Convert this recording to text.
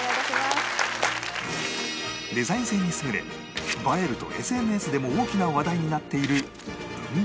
デザイン性に優れ映えると ＳＮＳ でも大きな話題になっている文房具